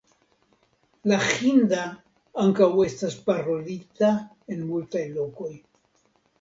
La hinda ankaŭ estas parolita en multaj lokoj.